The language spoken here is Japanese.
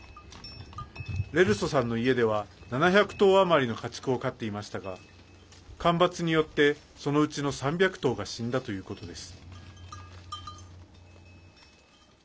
レルソさんの家では７００頭余りの家畜を飼っていましたが干ばつによって、そのうちの３００頭が死んだということです。